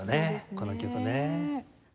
この曲ね。